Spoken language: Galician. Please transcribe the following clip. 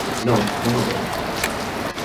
Non, non o temos.